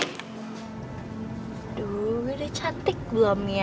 aduh ini cantik belum ya